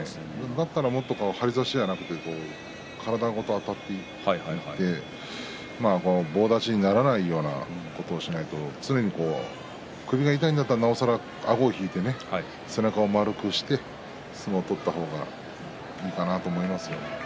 だったら張り差しじゃなくて体ごとあたっていって棒立ちにならないようなことをしないと首が痛いんだったら、なおさらあごを引いて背中を丸くして相撲を取った方がいいかなと思いますね。